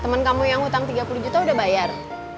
teman kamu yang hutang tiga puluh juta udah bayar